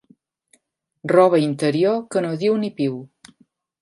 Roba interior que no diu ni piu.